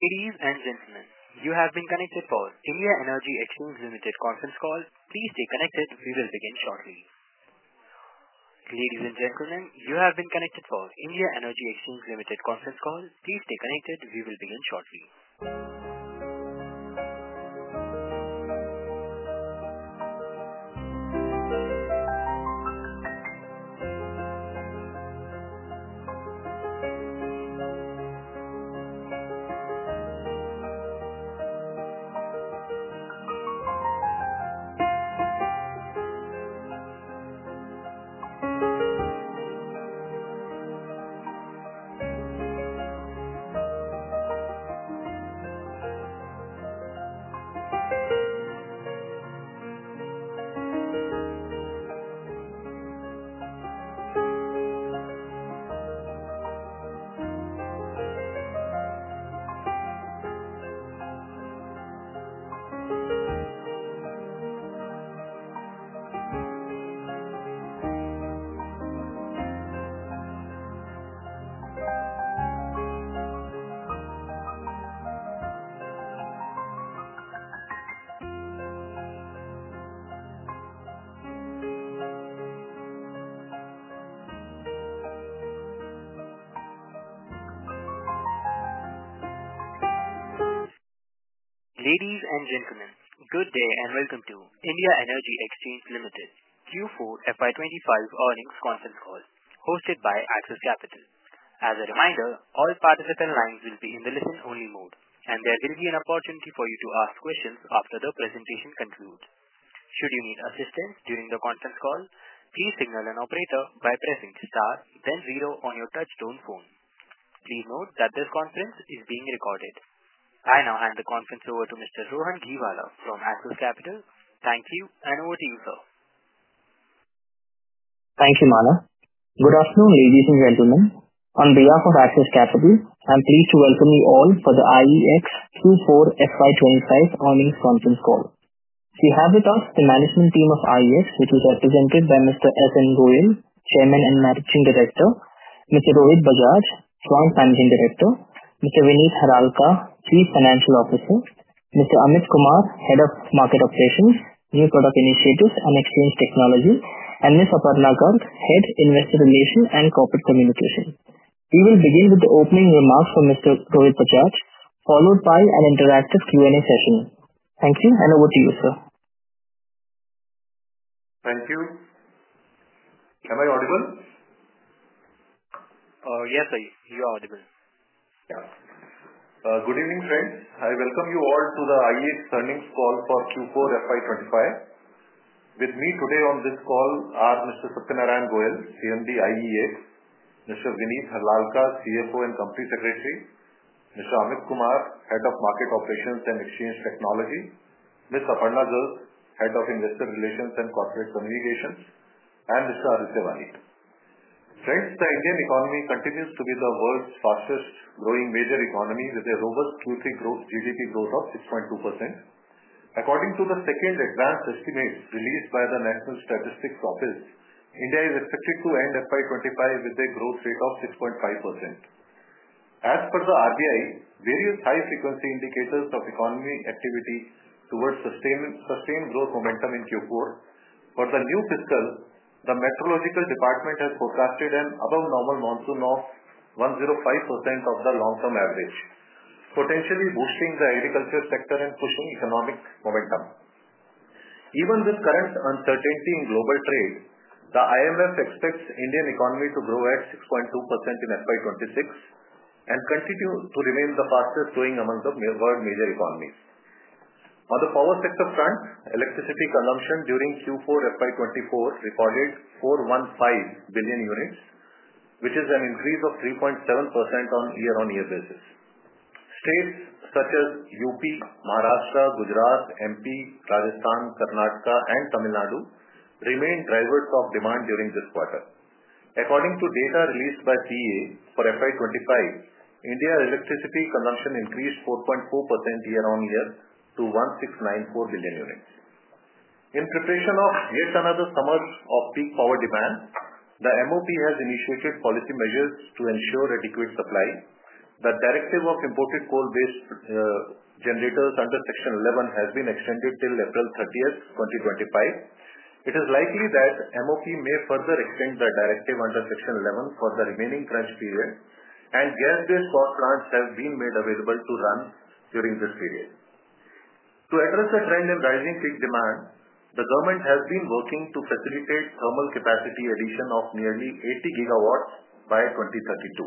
Ladies and gentlemen, you have been connected for India Energy Exchange Limited conference call. Please stay connected, we will begin shortly. Ladies and gentlemen, you have been connected for India Energy Exchange Limited conference call. Please stay connected, we will begin shortly. Ladies and gentlemen, good day and welcome to India Energy Exchange Limited Q4 FY 2025 earnings conference call hosted by Axis Capital. As a reminder, all participant lines will be in the listen-only mode, and there will be an opportunity for you to ask questions after the presentation concludes. Should you need assistance during the conference call, please signal an operator by pressing star, then zero on your touchtone phone. Please note that this conference is being recorded. I now hand the conference over to Mr. Rohan Gheewala from Axis Capital. Thank you, and over to you, sir. Thank you, Manav. Good afternoon, ladies and gentlemen. On behalf of Axis Capital, I'm pleased to welcome you all for the IEX Q4 FY 2025 earnings conference call. We have with us the management team of IEX, which is represented by Mr. S. N. Goel, Chairman and Managing Director, Mr. Rohit Bajaj, Joint Managing Director, Mr. Vineet Harlalka, Chief Financial Officer, Mr. Amit Kumar, Head of Market Operations, New Product Initiatives and Exchange Technology, and Ms. Aparna Garg, Head, Investor Relations and Corporate Communications. We will begin with the opening remarks from Mr. Rohit Bajaj, followed by an interactive Q&A session. Thank you, and over to you, sir. Thank you. Am I audible? Yes, sir, you are audible. Good evening, friends. I welcome you all to the IEX earnings call for Q4 FY 2025. With me today on this call are Mr. Satyanarayan Goel, CMD IEX; Mr. Vineet Harlalka, CFO and Company Secretary; Mr. Amit Kumar, Head of Market Operations and Exchange Technology; Ms. Aparna Garg, Head of Investor Relations and Corporate Communications; and Mr. Aditya Wali. Friends, the Indian economy continues to be the world's fastest-growing major economy with a robust Q3 growth, GDP growth of 6.2%. According to the second advanced estimate released by the National Statistical Office, India is expected to end FY 2025 with a growth rate of 6.5%. As per the RBI, various high-frequency indicators of economy activity towards sustained growth momentum in Q4. For the new fiscal, the Meteorological Department has forecasted an above-normal monsoon of 105% of the long-term average, potentially boosting the agriculture sector and pushing economic momentum. Even with current uncertainty in global trade, the IMF expects the Indian economy to grow at 6.2% in FY 2026 and continue to remain the fastest-growing among the world major economies. On the power sector front, electricity consumption during Q4 FY 2024 recorded 415 billion units, which is an increase of 3.7% on year-on-year basis. States such as U.P., Maharashtra, Gujarat, M.P., Rajasthan, Karnataka, and Tamil Nadu remain drivers of demand during this quarter. According to data released by CEA for FY 2025, India's electricity consumption increased 4.4% year-on-year to 1,694 billion units. In preparation of yet another summer of peak power demand, the MoP has initiated policy measures to ensure adequate supply. The directive of imported coal-based generators under Section 11 has been extended till April 30th, 2025. It is likely that the MoP may further extend the directive under Section 11 for the remaining crunch period, and gas-based power plants have been made available to run during this period. To address the trend in rising peak demand, the government has been working to facilitate thermal capacity addition of nearly 80 GW by 2032.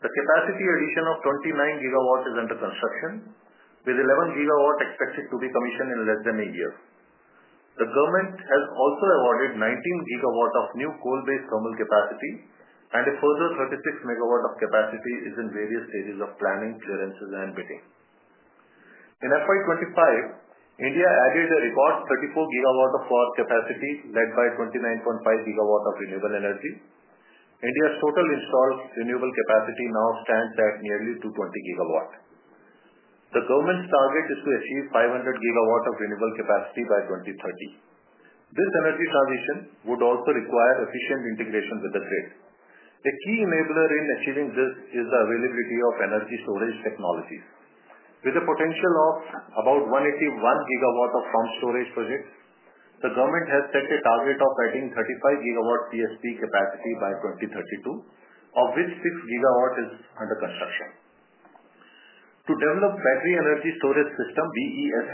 The capacity addition of 29 GW is under construction, with 11 GW expected to be commissioned in less than a year. The government has also awarded 19 GW of new coal-based thermal capacity, and a further 36 GW of capacity is in various stages of planning, clearances, and bidding. In FY 2025, India added a record 34 GW of power capacity, led by 29.5 GW of renewable energy. India's total installed renewable capacity now stands at nearly 220 GW. The government's target is to achieve 500 GW of renewable capacity by 2030. This energy transition would also require efficient integration with the grid. A key enabler in achieving this is the availability of energy storage technologies. With a potential of about 181GW of pumped storage projects, the government has set a target of adding 35 GW PSP capacity by 2032, of which 6 gigawatts is under construction. To develop Battery Energy Storage Systems, BESS,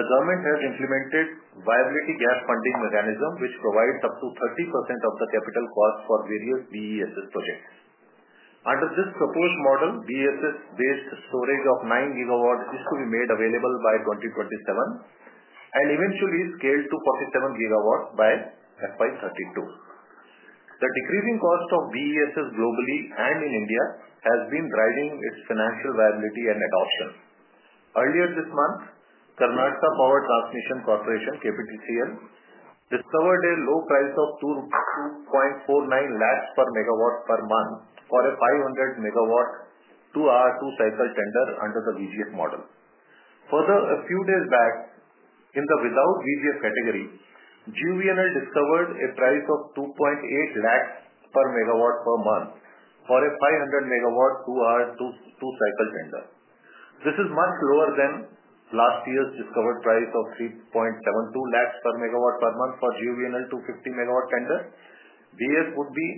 the government has implemented viability gap funding mechanism, which provides up to 30% of the capital cost for various BESS projects. Under this proposed model, BESS-based storage of 9 GW is to be made available by 2027 and eventually scaled to 47 GW by FY 2032. The decreasing cost of BESS globally and in India has been driving its financial viability and adoption. Earlier this month, Karnataka Power Transmission Corporation Limited, KPTCL, discovered a low price of 2.49 lakhs per megawatt per month for a 500 GW two-hour, two-cycle tender under the VGF model. Further, a few days back, in the without VGF category, GUVNL, discovered a price of 2.8 lakhs per megawatt per month for a 500 MW two-hour, two-cycle tender. This is much lower than last year's discovered price of 3.72 lakhs per megawatt per month for GUVNL 250 MW tender. BESS would be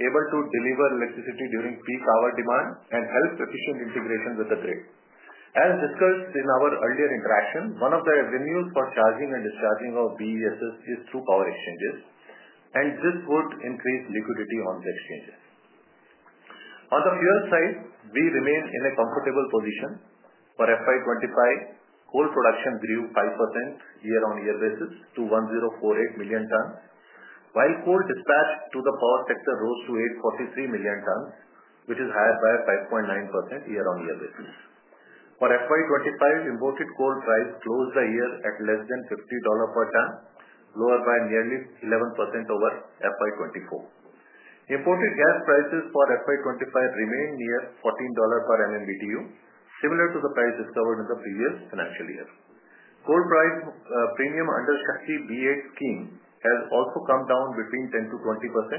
able to deliver electricity during peak hour demand and help efficient integration with the grid. As discussed in our earlier interaction, one of the avenues for charging and discharging of BESS is through power exchanges, and this would increase liquidity on the exchanges. On the fuel side, we remain in a comfortable position for FY 2025, coal production grew 5% year-on-year basis to 1,048 million tons, while coal dispatch to the power sector rose to 843 million tons, which is higher by 5.9% year-on-year basis. For FY 2025, imported coal price closed the year at less than $50 per ton, lower by nearly 11% over FY 2024. Imported gas prices for FY 2025 remain near $14 per MMBtu, similar to the price discovered in the previous financial year. Coal price premium under SHAKTI B(viii) scheme has also come down between 10%-20%,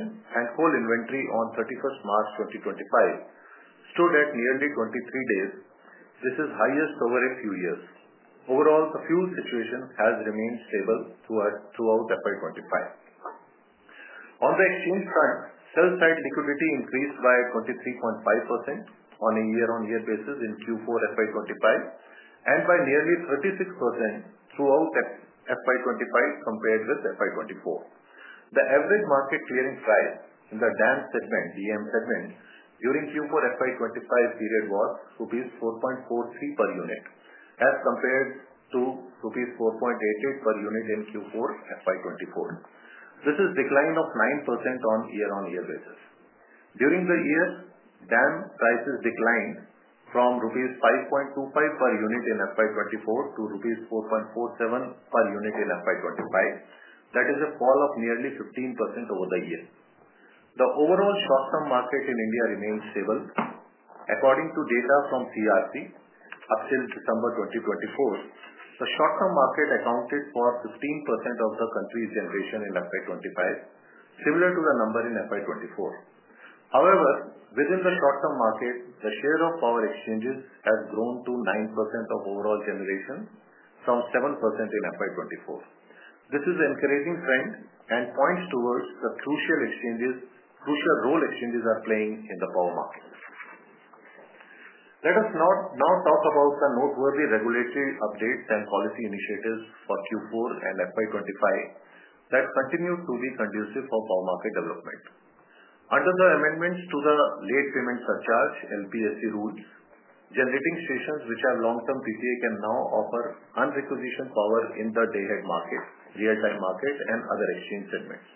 and coal inventory on 31st March 2025 stood at nearly 23 days. This is the highest over a few years. Overall, the fuel situation has remained stable throughout FY 2025. On the exchange front, sell-side liquidity increased by 23.5% on a year-on-year basis in Q4 FY 2025 and by nearly 36% throughout FY 2025 compared with FY 2024. The average market clearing price in the DAM segment during Q4 FY 2025 was rupees 4.43 per unit, as compared to rupees 4.88 per unit in Q4 FY 2024. This is a decline of 9% on a year-on-year basis. During the year, DAM prices declined from rupees 5.25 per unit in FY 2024 to rupees 4.47 per unit in FY 2025. That is a fall of nearly 15% over the year. The overall short-term market in India remains stable. According to data from CERC, up till December 2024, the short-term market accounted for 15% of the country's generation in FY 2025, similar to the number in FY 2024. However, within the short-term market, the share of power exchanges has grown to 9% of overall generation from 7% in FY 2024. This is an encouraging trend and points towards the crucial role exchanges are playing in the power market. Let us now talk about the noteworthy regulatory updates and policy initiatives for Q4 and FY 2025 that continue to be conducive for power market development. Under the amendments to the Late Payment Surcharge (LPSC) rules, generating stations which have long-term PPA can now offer unrequisitioned power in the Day-Ahead Market, Real-Time Market, and other exchange segments.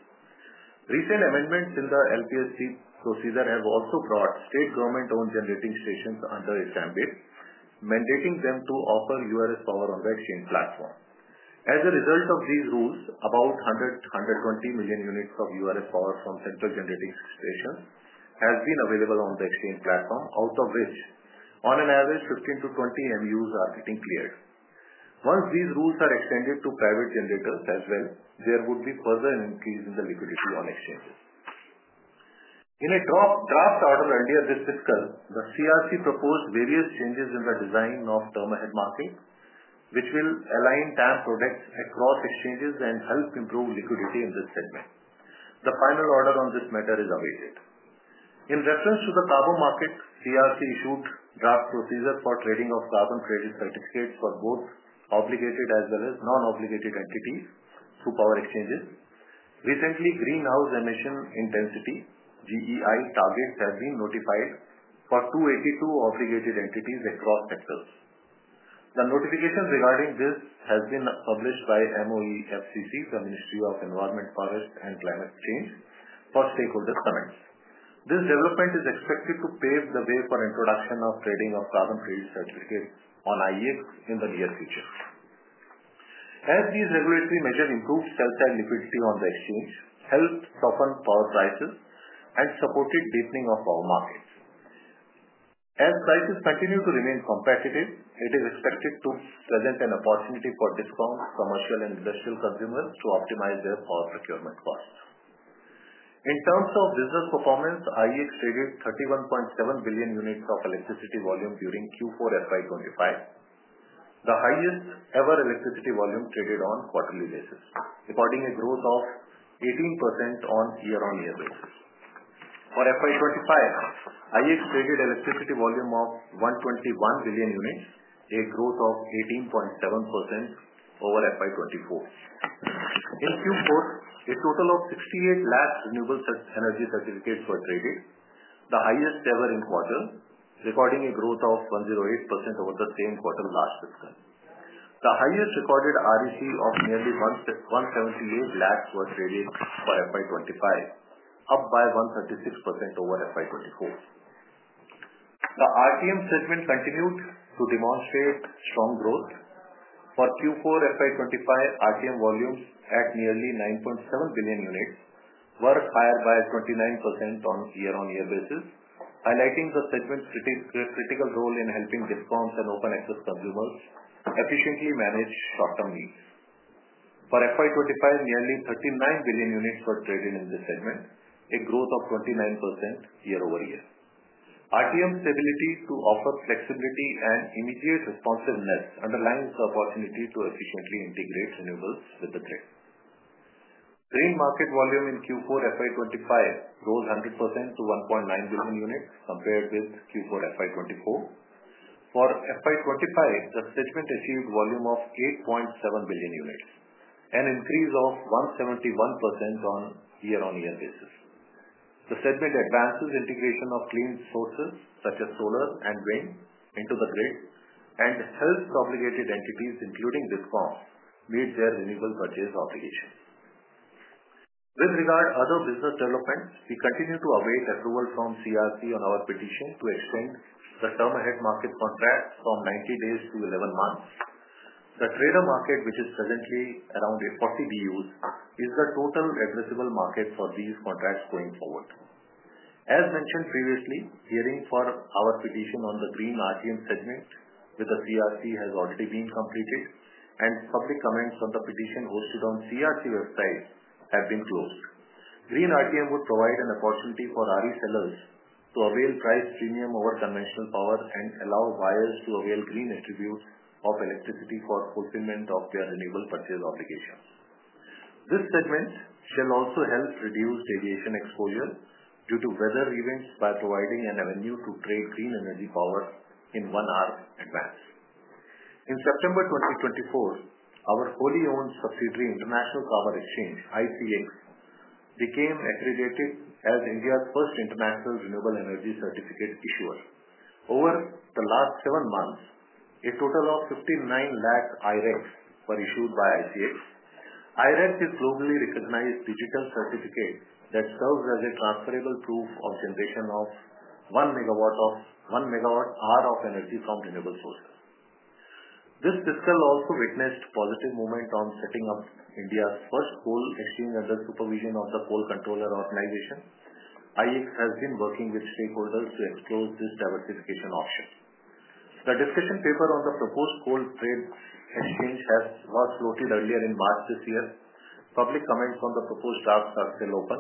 Recent amendments in the LPSC procedure have also brought state government-owned generating stations under its mandate, mandating them to offer URS power on the exchange platform. As a result of these rules, about 100-120 million units of URS power from central generating stations has been available on the exchange platform, out of which, on an average, 15-20 MUs are getting cleared. Once these rules are extended to private generators as well, there would be further increase in the liquidity on exchanges. In a draft order earlier this fiscal, the CERC proposed various changes in the design of the Term-Ahead Market, which will align TAM products across exchanges and help improve liquidity in this segment. The final order on this matter is awaited. In reference to the carbon market, CERC issued a draft procedure for trading of Carbon Credit Certificates for both obligated as well as non-obligated entities through power exchanges. Recently, Greenhouse Emission Intensity (GEI) targets have been notified for 282 obligated entities across sectors. The notification regarding this has been published by MoEFCC, the Ministry of Environment, Forest, and Climate Change for stakeholder comments. This development is expected to pave the way for the introduction of the trading of Carbon Credit Certificates on IEX in the near future. As these regulatory measures improved sell-side liquidity on the exchange, helped soften power prices, and supported deepening of power markets. As prices continue to remain competitive, it is expected to present an opportunity for Discom commercial and industrial consumers to optimize their power procurement costs. In terms of business performance, IEX traded 31.7 billion units of electricity volume during Q4 FY 2025, the highest-ever electricity volume traded on quarterly basis, recording a growth of 18% on a year-on-year basis. For FY 2025, IEX traded electricity volume of 121 billion units, a growth of 18.7% over FY 2024. In Q4, a total of 6.8 million Renewable Energy Certificates were traded, the highest-ever in quarter, recording a growth of 108% over the same quarter last fiscal. The highest recorded REC of nearly 17.8 million were traded for FY 2025, up by 136% over FY 2024. The RTM segment continued to demonstrate strong growth. For Q4 FY 2025, RTM volumes at nearly 9.7 billion units were higher by 29% on a year-on-year basis, highlighting the segment's critical role in helping Discom and open-access consumers efficiently manage short-term needs. For FY 2025, nearly 39 billion units were traded in this segment, a growth of 29% year-over-year. RTM's ability to offer flexibility and immediate responsiveness underlines the opportunity to efficiently integrate renewables with the trade. Green market volume in Q4 FY 2025 rose 100% to 1.9 billion units compared with Q4 FY 2024. For FY 2025, the segment achieved a volume of 8.7 billion units, an increase of 171% on a year-on-year basis. The segment advances the integration of clean sources such as solar and wind into the grid and helps obligated entities, including Discoms, meet their renewable purchase obligations. With regard to other business developments, we continue to await approval from CERC on our petition to extend the Term-Ahead Market contracts from 90 days to 11 months. The trader market, which is presently around 40 BUs, is the total addressable market for these contracts going forward. As mentioned previously, hearing for our petition on the Green RTM segment with the CERC has already been completed, and public comments on the petition hosted on the CERC website have been closed. Green RTM would provide an opportunity for RE sellers to avail price premium over conventional power and allow buyers to avail green attributes of electricity for fulfillment of their Renewable Purchase Obligations. This segment shall also help reduce deviation exposure due to weather events by providing an avenue to trade green energy power in one hour advance. In September 2024, our wholly-owned subsidiary International Carbon Exchange, ICX, became accredited as India's first international renewable energy certificate issuer. Over the last seven months, a total of 59 lakh I-RECs were issued by ICX. I-REC is a globally recognized digital certificate that serves as a transferable proof of generation of 1 MW hour of energy from renewable sources. This fiscal also witnessed positive movement on setting up India's first coal exchange under the supervision of the Coal Controller's Organization. IEX has been working with stakeholders to expose this diversification option. The discussion paper on the proposed coal trade exchange was floated earlier in March this year. Public comments on the proposed draft are still open.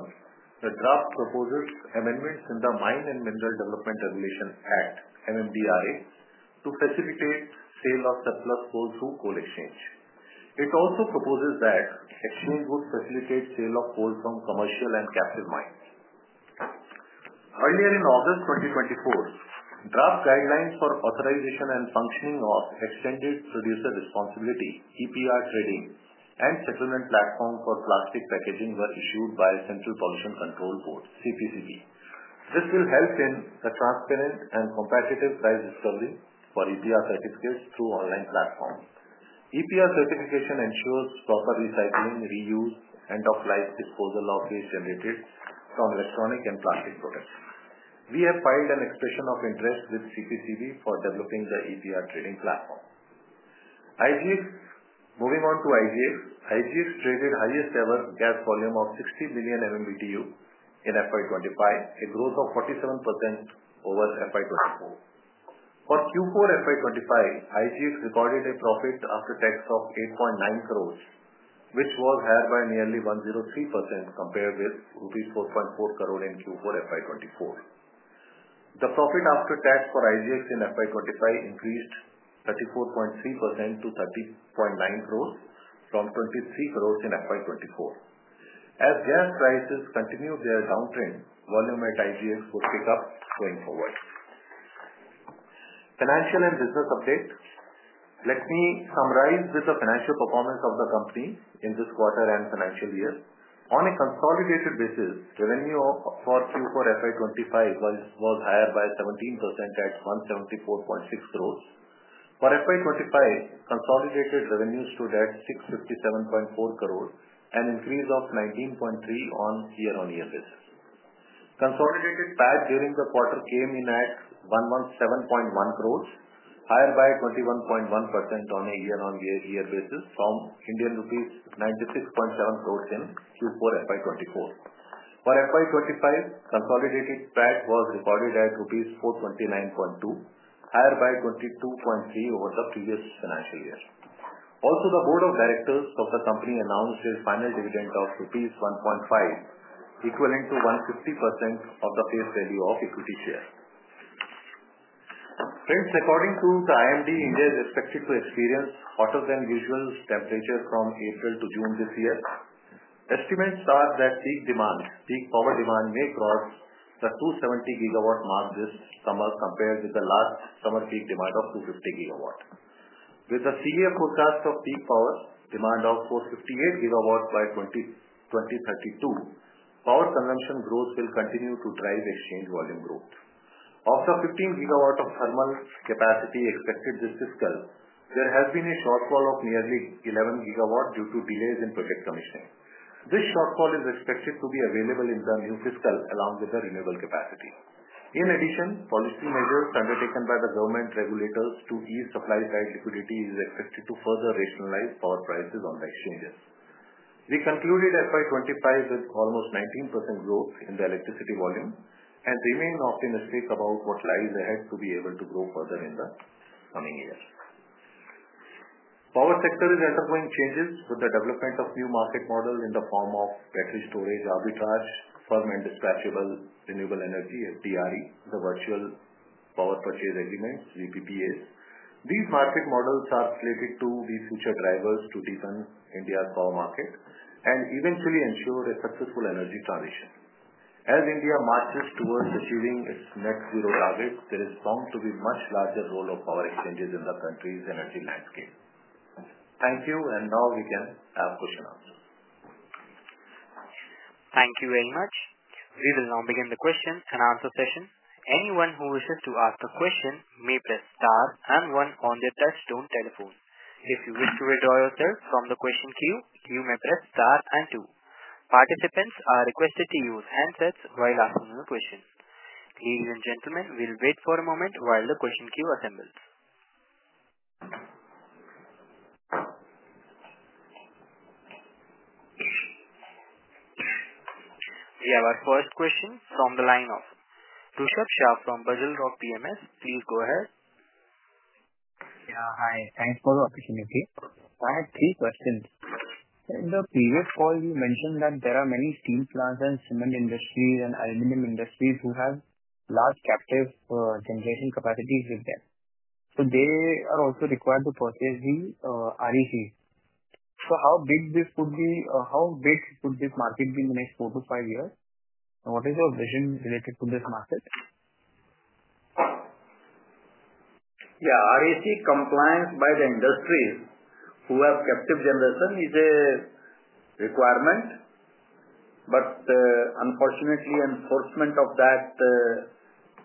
The draft proposes amendments in the Mines and Minerals (Development and Regulation) Act, MMDRA, to facilitate the sale of surplus coal through coal exchange. It also proposes that the exchange would facilitate the sale of coal from commercial and captive mines. Earlier in August 2024, draft guidelines for authorization and functioning of Extended Producer Responsibility (EPR) Trading and Settlement Platform for Plastic Packaging were issued by the Central Pollution Control Board (CPCB). This will help in the transparent and competitive price discovery for EPR certificates through online platforms. EPR certification ensures proper recycling, reuse, end of life disposal of waste generated from electronic and plastic products. We have filed an expression of interest with CPCB for developing the EPR trading platform. Moving on to IGX, IGX traded the highest-ever gas volume of 60 million MMBtu in FY 20`25, a growth of 47% over FY 2024. For Q4 FY 2025, IGX recorded a profit after tax of 8.9 crores, which was higher by nearly 103% compared with rupees 4.4 crore in Q4 FY 2024. The profit after tax for IGX in FY 2025 increased 34.3% to 30.9 crores from 23 crores in FY 2024. As gas prices continue their downtrend, the volume at IGX would pick up going forward. Financial and Business Update: Let me summarize the financial performance of the company in this quarter and financial year. On a consolidated basis, revenue for Q4 FY 2025 was higher by 17% at 174.6 crores. For FY 2025, consolidated revenues stood at 657.4 crores and an increase of 19.3% on a year-on-year basis. Consolidated PAT during the quarter came in at 117.1 crores, higher by 21.1% on a year-on-year basis from Indian rupees 96.7 crores in Q4 FY 2024. For FY 2025, the consolidated PAT was recorded at INR 429.2, higher by 22.3% over the previous financial year. Also, the Board of Directors of the company announced a final dividend of rupees 1.5, equivalent to 150% of the face value of equity shares. Friends, according to the IMD, India is expected to experience hotter-than-usual temperatures from April to June this year. Estimates are that peak demand, peak power demand, may cross the 270 GW mark this summer compared with the last summer peak demand of 250GW. With the CEA forecast of peak power demand of 458 GW by 2032, power consumption growth will continue to drive exchange volume growth. After 15 GW of thermal capacity expected this fiscal, there has been a shortfall of nearly 11 GW due to delays in project commissioning. This shortfall is expected to be available in the new fiscal along with the renewable capacity. In addition, policy measures undertaken by the government regulators to ease supply-side liquidity are expected to further rationalize power prices on the exchanges. We concluded FY 2025 with almost 19% growth in the electricity volume and remain optimistic about what lies ahead to be able to grow further in the coming years. The power sector is undergoing changes with the development of new market models in the form of battery storage, arbitrage, Firm and Dispatchable Renewable Energy (FDRE), the virtual power purchase agreements (VPPAs). These market models are slated to be future drivers to deepen India's power market and eventually ensure a successful energy transition. As India marches towards achieving its net-zero target, there is bound to be a much larger role of power exchanges in the country's energy landscape. Thank you, and now we can have question answers. Thank you very much. We will now begin the question and answer session. Anyone who wishes to ask a question may press star and one on their touchtone-telephone. If you wish to withdraw yourself from the question queue, you may press star and two. Participants are requested to use handsets while asking a question. Ladies and gentlemen, we will wait for a moment while the question queue assembles. We have our first question from the line of Rushabh Shah from Buglerock PMS. Please go ahead. Yeah, hi. Thanks for the opportunity. I have three questions. In the previous call, we mentioned that there are many steel plants and cement industries and aluminum industries who have large captive generation capacities with them. They are also required to purchase the RECs?. How big this would be? How big could this market be in the next four to five years? What is your vision related to this market? Yeah, REC compliance by the industries who have captive generation is a requirement, but unfortunately, enforcement of that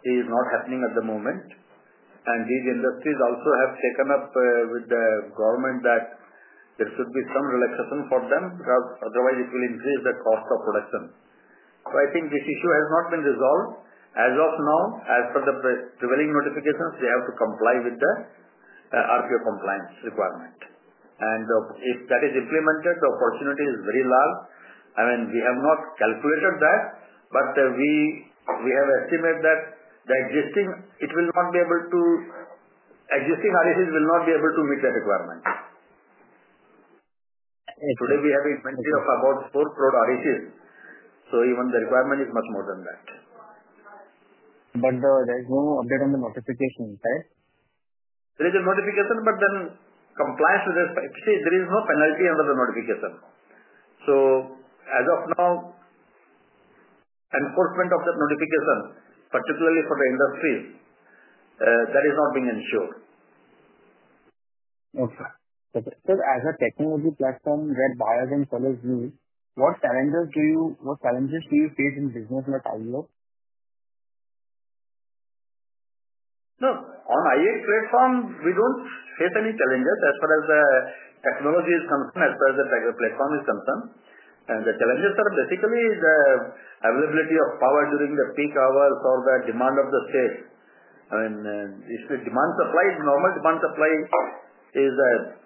is not happening at the moment. These industries also have taken up with the government that there should be some relaxation for them because otherwise it will increase the cost of production. I think this issue has not been resolved. As of now, as per the prevailing notifications, we have to comply with the RPO compliance requirement. If that is implemented, the opportunity is very large. I mean, we have not calculated that, but we have estimated that the existing RECs will not be able to meet that requirement. Today, we have an inventory of about 4 crores RECs. Even the requirement is much more than that. There is no update on the notification, right? There is a notification, but then compliance with the... See, there is no penalty under the notification. As of now, enforcement of that notification, particularly for the industries, that is not being ensured. Okay. Okay. As a technology platform that buyers and sellers use, what challenges do you face in business at IEX? No. On IEX platform, we do not face any challenges as far as the technology is concerned, as far as the platform is concerned. The challenges are basically the availability of power during the peak hours or the demand of the state. I mean, if the demand supply, normal demand supply is an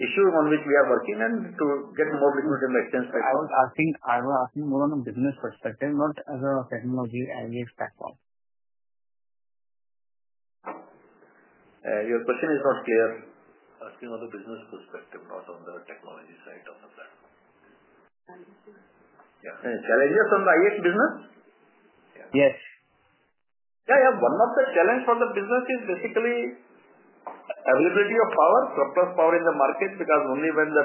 issue on which we are working and to get more liquidity in the exchange platform. I think I was asking more on a business perspective, not as a technology IEX platform. Your question is not clear. Asking on a business perspective, not on the technology side of the platform. Yeah. Challenges on the IEX business? Yes. Yeah, yeah. One of the challenges for the business is basically availability of power, surplus power in the market, because only when the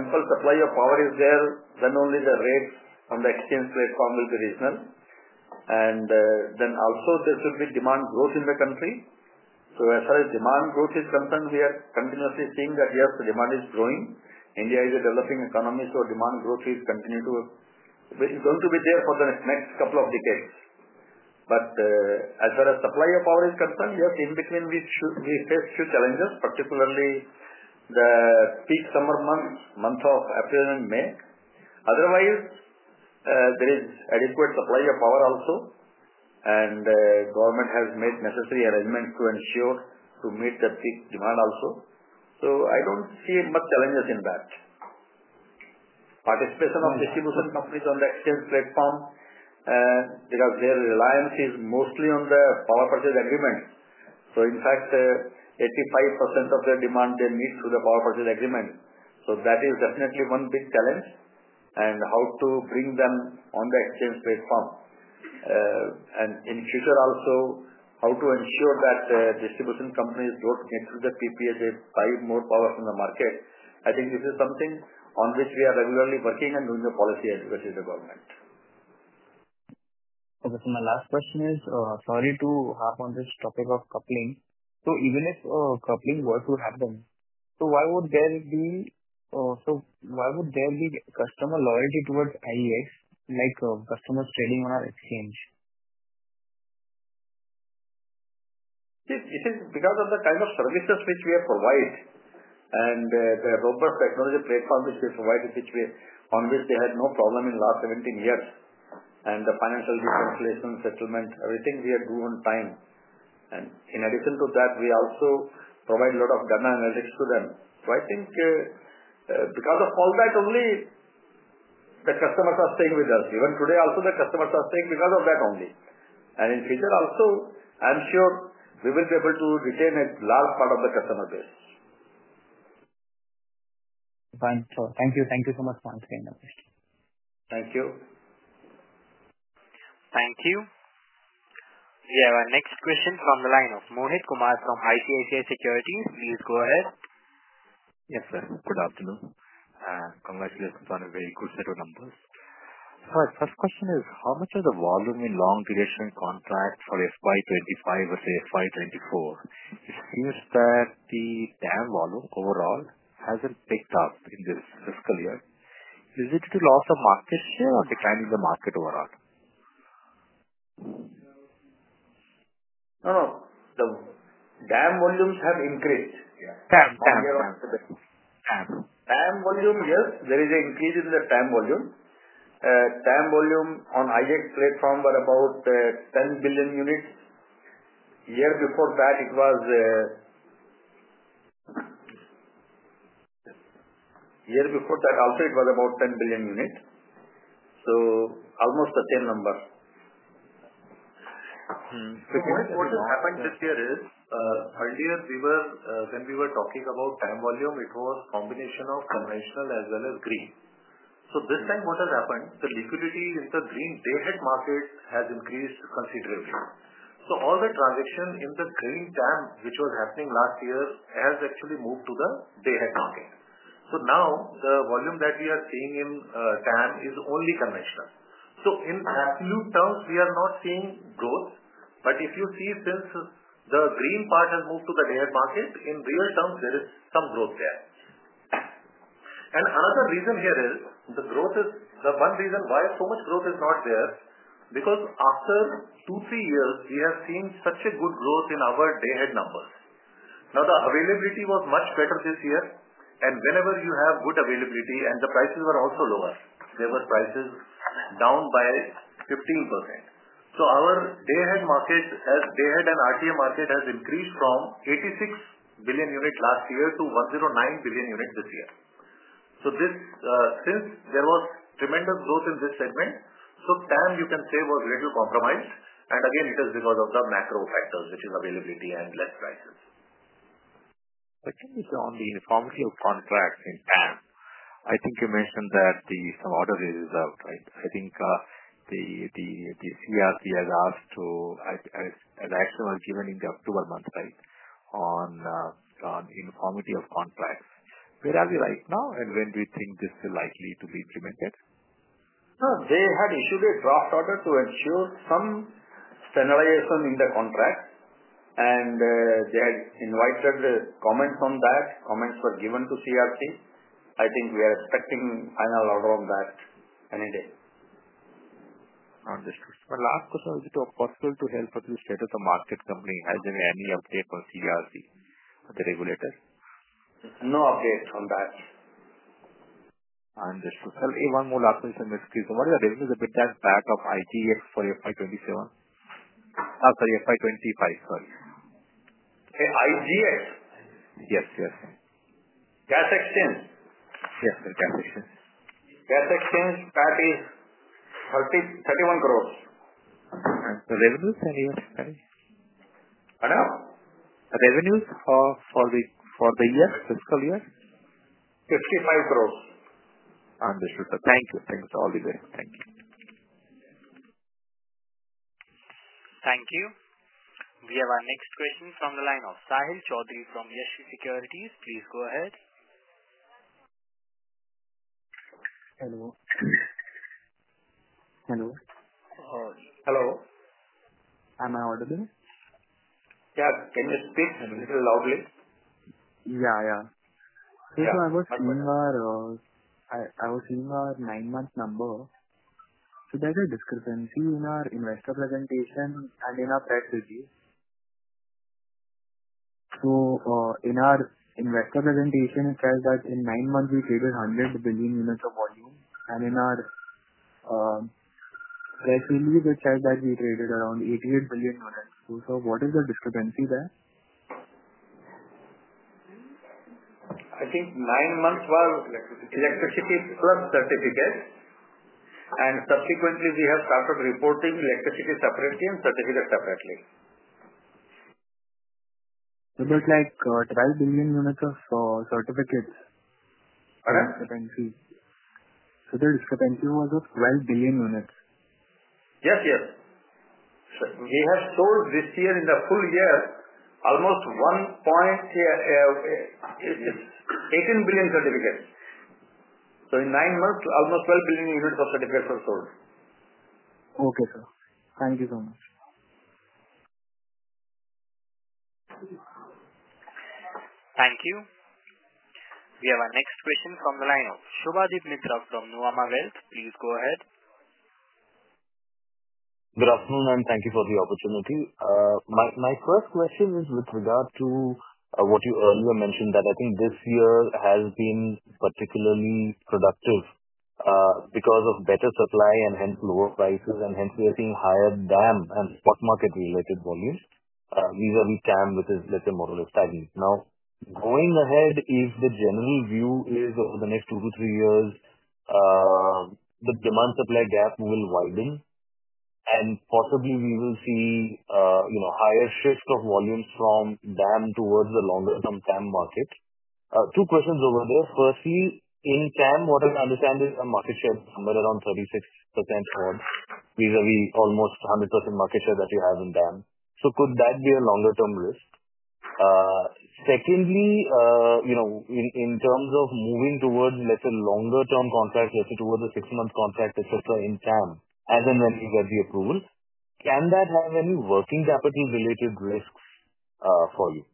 ample supply of power is there, then only the rates on the exchange platform will be reasonable. Also, there should be demand growth in the country. As far as demand growth is concerned, we are continuously seeing that, yes, the demand is growing. India is a developing economy, so demand growth is going to be there for the next couple of decades. As far as supply of power is concerned, yes, in between, we face a few challenges, particularly the peak summer months, month of April and May. Otherwise, there is adequate supply of power also, and the government has made necessary arrangements to ensure to meet the peak demand also. I do not see much challenges in that. Participation of distribution companies on the exchange platform because their reliance is mostly on the power purchase agreement. In fact, 85% of their demand, they meet through the power purchase agreement. That is definitely one big challenge and how to bring them on the exchange platform. In future also, how to ensure that distribution companies do not get through the PPA and buy more power from the market. I think this is something on which we are regularly working and doing a policy advocacy to the government. Okay. My last question is, sorry to harp on this topic of coupling. Even if coupling were to happen, why would there be customer loyalty towards IEX, like customers trading on our exchange? It is because of the kind of services which we have provided and the robust technology platform which we provided, on which they had no problem in the last 17 years. The financial reconciliation, settlement, everything we have done on time. In addition to that, we also provide a lot of data analytics to them. I think because of all that, only the customers are staying with us. Even today, also the customers are staying because of that only. In future also, I am sure we will be able to retain a large part of the customer base. Thank you. Thank you so much for answering the question. Thank you. Thank you. We have our next question from the line of Mohit Kumar from ICICI Securities. Please go ahead. Yes, sir. Good afternoon. Congratulations on a very good set of numbers. My first question is, how much of the volume in long-duration contract for FY 2025 versus FY 2024? It seems that the TAM volume overall has not picked up in this fiscal year. Is it due to loss of market share or declining the market overall? No, no. The TAM volumes have increased. TAM, TAM, TAM. TAM volume, yes. There is an increase in the TAM volume. TAM volume on IEX platform was about 10 billion units. A year before that, it was... A year before that, also it was about 10 billion units. So almost the same number. Mohit, what has happened this year is, earlier when we were talking about TAM volume, it was a combination of conventional as well as green. This time, what has happened, the liquidity in the Green Day-Ahead Market has increased considerably. All the transaction in the Green TAM, which was happening last year, has actually moved to the Day-Ahead Market. Now the volume that we are seeing in TAM is only conventional. In absolute terms, we are not seeing growth. If you see, since the green part has moved to the Day-Ahead Market, in real terms, there is some growth there. Another reason here is the growth is the one reason why so much growth is not there because after two, three years, we have seen such a good growth in our Day-Ahead numbers. The availability was much better this year. Whenever you have good availability and the prices were also lower, they were prices down by 15%. Our Day-Ahead market, as Day-Ahead and RTM market has increased from 86 billion units last year to 109 billion units this year. Since there was tremendous growth in this segment, TAM, you can say, was a little compromised. It is because of the macro factors, which is availability and less prices. Can you say on the informality of contracts in TAM? I think you mentioned that some orders are reserved, right? I think the CERC has asked to, as action was given in the October month, right, on informality of contracts. Where are we right now, and when do you think this is likely to be implemented? They had issued a draft order to ensure some standardization in the contract. They had invited comments on that. Comments were given to CERC. I think we are expecting final order on that any day. Understood. My last question is, if it's possible to help us to set up a market company, has there been any update on CERC, the regulator? No update on that. Understood. One more last question, if I may squeeze in? What is the revenues, EBITDA and PAT of IGX for FY 2027? Sorry, FY 2025, sorry. IGX? Yes, yes. Gas exchange. Yes, sir, gas exchange. Gas exchange PAT is INR 31 crores. And the revenues and the expenses? Pardon? I know. Revenues for the fiscal year? 55 crores. Understood. Thank you. Thank you. Thank you. Thank you. We have our next question from the line of Sahil Choudhary from Yashwi Securities. Please go ahead. Hello. Hello. Hello. Am I audible? Yeah. Can you speak a little loudly? Yeah, yeah. I was giving our nine-month number. There is a discrepancy in our investor presentation and in our press release. In our investor presentation, it says that in nine months, we traded 100 billion units of volume. In our press release, it says that we traded around 88 billion units. What is the discrepancy there? I think nine months were electricity plus certificates. Subsequently, we have started reporting electricity separately and certificates separately. Like 12 billion units of certificates were discrepancy. Pardon? The discrepancy was of 12 billion units. Yes, yes. We have sold this year, in the full year, almost 1.18 billion certificates. In nine months, almost 12 billion units of certificates were sold. Okay, sir. Thank you so much. Thank you. We have our next question from the line of Subhadip Mitra from Nuvama Wealth. Please go ahead. Good afternoon, and thank you for the opportunity. My first question is with regard to what you earlier mentioned, that I think this year has been particularly productive because of better supply and hence lower prices, and hence we are seeing higher DAM and spot market-related volumes. Vis-à-vis TAM, which is a little more stagnant. Now, going ahead, if the general view is over the next two to three years, the demand-supply gap will widen, and possibly we will see a higher shift of volumes from DAM towards the longer-term TAM market. Two questions over there. Firstly, in TAM, what I understand is a market share is somewhere around 36%-odd vis-à-vis almost 100% market share that you have in DAM. So could that be a longer-term risk? Secondly, in terms of moving towards a longer-term contract, let's say towards a six-month contract, etc., in TAM, as and when you get the approval, can that have any working capital-related risks for you?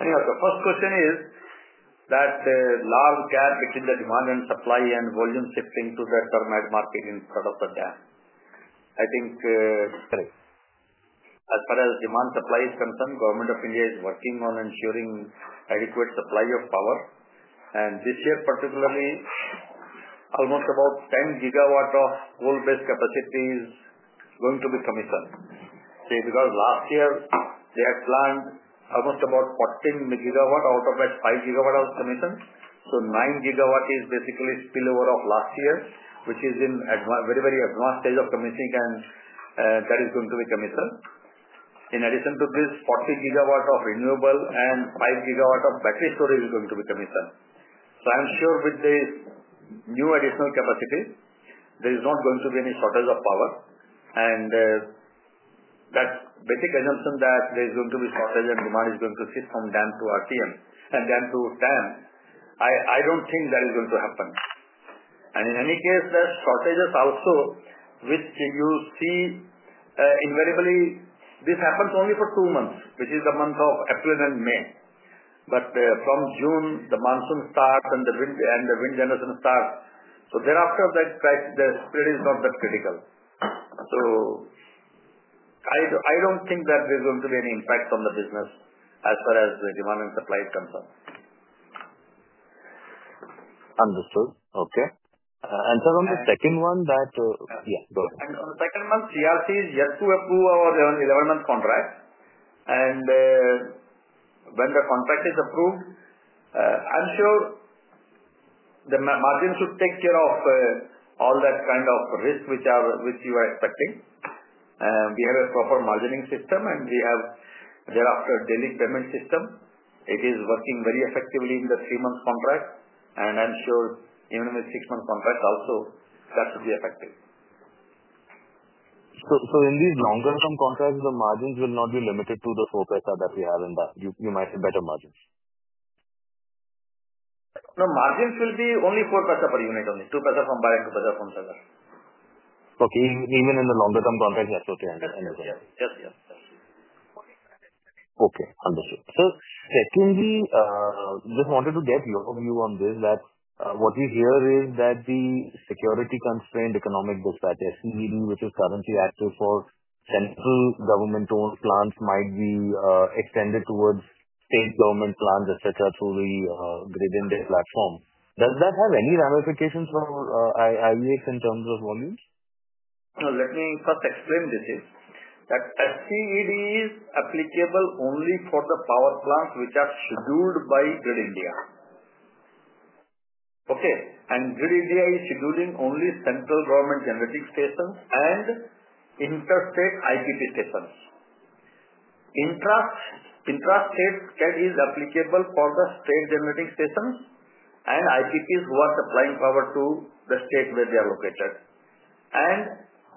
The first question is that the large gap between the demand and supply and volume shifting to Term-Ahead Market instead of the DAM. I think. Correct. As far as demand-supply is concerned, Government of India is working on ensuring adequate supply of power. This year, particularly, almost about 10 GW of coal-based capacity is going to be commissioned. See, because last year, they had planned almost about 14 GW, out of that 5 GW was commissioned. So 9 GW is basically spillover of last year, which is in a very, very advanced stage of commissioning, and that is going to be commissioned. In addition to this, 40 GW of renewable and 5 GW of battery storage is going to be commissioned. I'm sure with this new additional capacity, there is not going to be any shortage of power. That basic assumption that there is going to be shortage and demand is going to shift from DAM to RTM and then to TAM, I don't think that is going to happen. In any case, there are shortages also, which you see invariably. This happens only for two months, which is the month of April and May. From June, the monsoon starts and the wind generation starts. Thereafter, the spread is not that critical. I don't think that there's going to be any impact on the business as far as the demand and supply is concerned. Understood. Okay. Sir, on the second one that yeah, go ahead. On the second month, CRC is yet to approve our 11-month contract. When the contract is approved, I'm sure the margin should take care of all that kind of risk which you are expecting. We have a proper margining system, and we have thereafter a daily payment system. It is working very effectively in the three-month contract. I'm sure even with six-month contract also, that should be effective. In these longer-term contracts, the margins will not be limited to the four paise that we have in DAM, you might see better margins? No, margins will be only four paise per unit only. Two paise from buy and two paise from seller. Okay. Even in the longer-term contracts, yes, okay. Yes, yes, yes. Okay. Understood. Secondly, just wanted to get your view on this, that what we hear is that the Security-Constrained Economic Dispatch, SCED, which is currently active for central government-owned plants, might be extended towards state government plants, etc., through the GRID-INDIA platform. Does that have any ramifications for IEX in terms of volumes? Let me first explain this here. That SCED is applicable only for the power plants which are scheduled by GRID-INDIA. Okay. GRID-INDIA is scheduling only Central government generating stations and interstate IPP stations. Intra-State SCED is applicable for the State generating stations and IPPs who are supplying power to the state where they are located.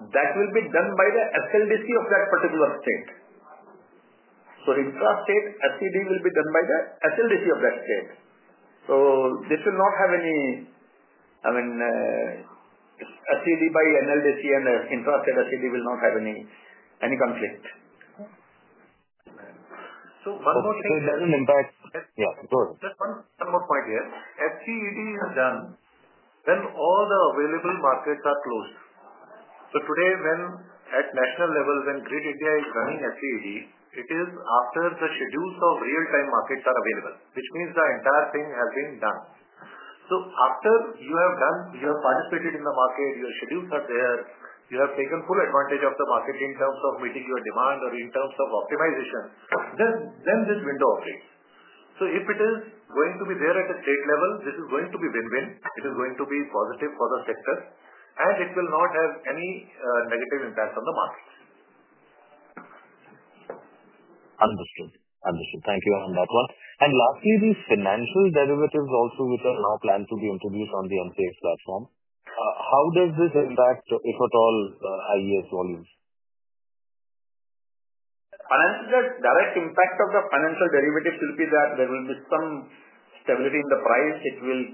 That will be done by the SLDC of that particular state. Intra-State SCED will be done by the SLDC of that State. This will not have any, I mean, SCED by NLDC and intra-State SCED will not have any conflict. One more thing. It does not impact. Yeah, go ahead. Just one more point here. SCED is done when all the available markets are closed. Today, at national level, when GRID-INDIA is running SCED, it is after the schedules of real-time markets are available, which means the entire thing has been done. After you have participated in the market, your schedules are there, you have taken full advantage of the market in terms of meeting your demand or in terms of optimization, then this window opens. If it is going to be there at a State level, this is going to be win-win. It is going to be positive for the sector, and it will not have any negative impact on the markets. Understood. Understood. Thank you on that one. Lastly, these financial derivatives also, which are now planned to be introduced on the MCX platform, how does this impact, if at all, IEX volumes? Direct impact of the financial derivative should be that there will be some stability in the price. It will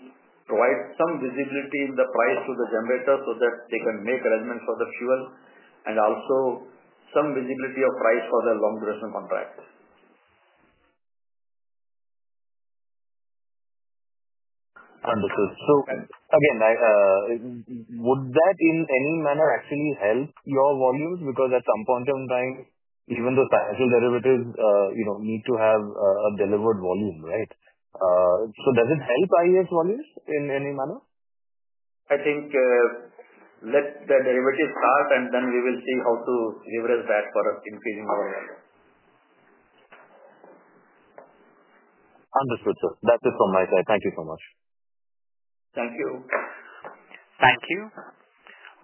provide some visibility in the price to the generators so that they can make arrangements for the fuel and also some visibility of price for the long-duration contract. Understood. Again, would that in any manner actually help your volumes? Because at some point in time, even though financial derivatives need to have a delivered volume, right? Does it help IEX volumes in any manner? I think let the derivatives start, and then we will see how to leverage that for increasing our numbers. Understood, sir. That is it from my side. Thank you so much. Thank you. Thank you.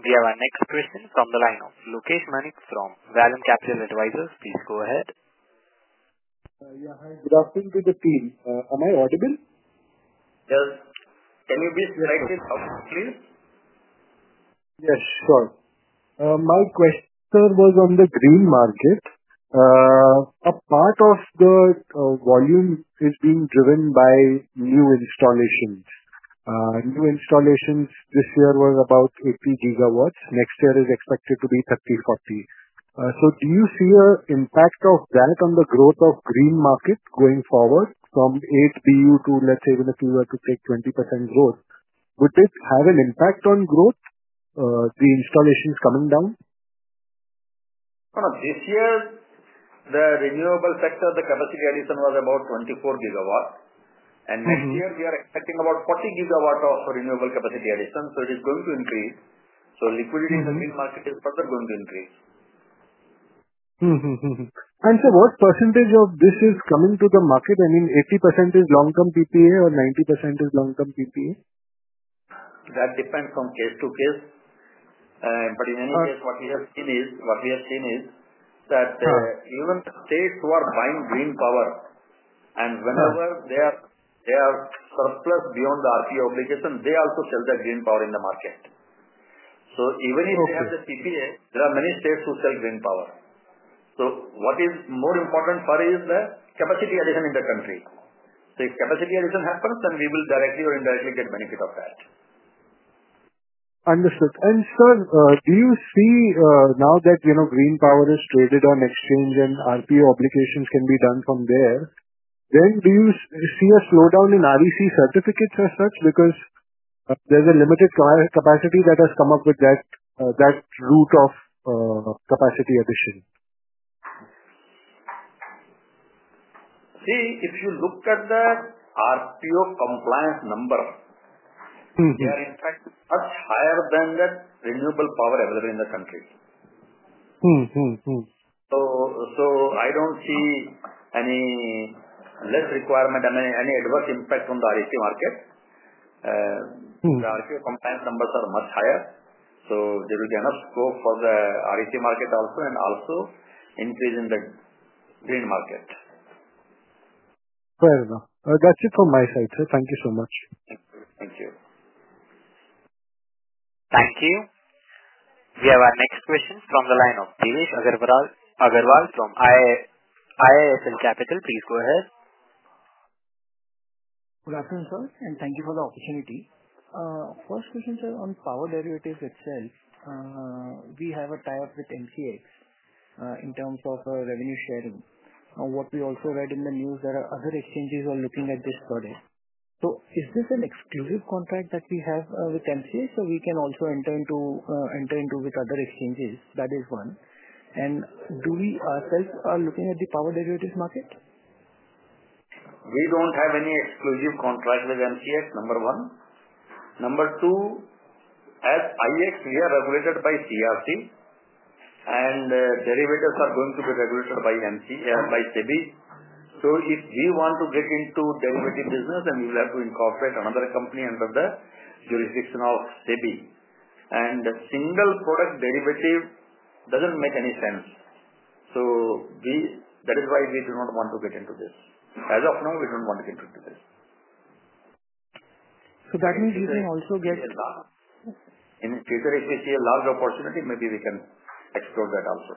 We have our next question from the line of Lokesh Manik from Vallum Capital Advisors. Please go ahead. Yeah, hi. Good afternoon to the team. Am I audible? Yes. Can you be slightly louder, please? Yes, sure. My question was on the green market. A part of the volume is being driven by new installations. New installations this year were about 80 GW. Next year is expected to be 30, 40. Do you see an impact of that on the growth of green market going forward from 8 BU to, let's say, even if you were to take 20% growth, would it have an impact on growth, the installations coming down? This year, the renewable sector, the capacity addition was about 24 GW. Next year, we are expecting about 40 GW of renewable capacity addition. It is going to increase. Liquidity in the green market is further going to increase. Sir, what percentage of this is coming to the market? I mean, 80% is long-term PPA or 90% is long-term PPA? That depends from case to case. In any case, what we have seen is that even states who are buying green power, and whenever they are surplus beyond the RPO obligation, they also sell that green power in the market. Even if they have the PPA, there are many states who sell green power. What is more important for us is the capacity addition in the country. If capacity addition happens, then we will directly or indirectly get benefit of that. Understood. Sir, do you see now that green power is traded on exchange and RPO obligations can be done from there, do you see a slowdown in REC certificates as such because there is a limited capacity that has come up with that route of capacity addition? See, if you look at the RPO compliance number, they are in fact much higher than the renewable power available in the country. I do not see any less requirement, any adverse impact on the REC market. The RPO compliance numbers are much higher. There will be enough scope for the REC market also and also increase in the green market. Fair enough. That is it from my side, sir. Thank you so much. Thank you. Thank you. We have our next question from the line of Devesh Agarwal from IIFL Capital. Please go ahead. Good afternoon, sir. Thank you for the opportunity. First question, sir, on power derivatives itself, we have a tie-up with MCX in terms of revenue sharing. What we also read in the news, there are other exchanges who are looking at this further. Is this an exclusive contract that we have with MCX, or can we also enter into with other exchanges? That is one. Do we ourselves are looking at the power derivatives market? We do not have any exclusive contract with MCX, number one. Number two, as IEX, we are regulated by CERC, and derivatives are going to be regulated by SEBI. If we want to get into derivative business, then we will have to incorporate another company under the jurisdiction of SEBI. A single product derivative does not make any sense. That is why we do not want to get into this. As of now, we don't want to get into this. That means we can also get in the future.... if we see a large opportunity, maybe we can explore that also.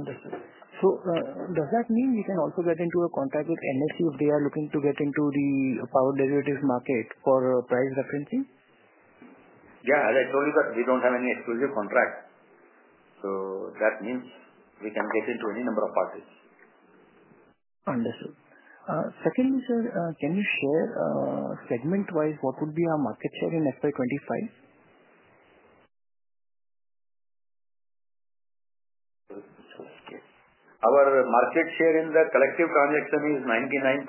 Understood. That means we can also get into a contract with NSE if they are looking to get into the power derivatives market for price referencing? Yeah. As I told you, we don't have any exclusive contract. That means we can get into any number of parties. Understood. Secondly, sir, can you share segment-wise what would be our market share in FY 2025? Our market share in the collective transaction is 99.8%.